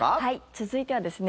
続いてはですね